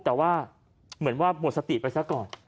แต่ว่าเหมือนว่าหมดสติไปซะก่อน